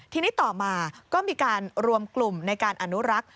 ทีนี้ต่อมาก็มีการรวมกลุ่มในการอนุรักษ์